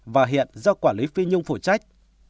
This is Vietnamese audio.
và hiện do quản lý phi nhung phụ trách